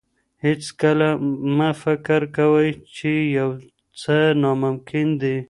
هیڅکله مه فکر کوئ چې یو څه ناممکن دي.